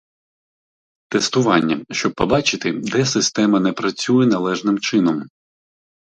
Тестування, щоб побачити, де система не працює належним чином